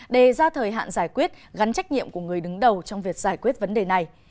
đề ra thời hạn giải quyết gắn trách nhiệm của người đứng đầu trong việc giải quyết vấn đề này